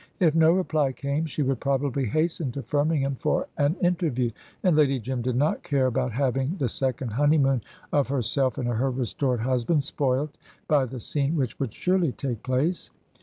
If no reply came she would probably hasten to Firmingham for an interview, and Lady Jim did not care about having the second honeymoon of herself and her restored husband spoilt by the scene which would surely take place.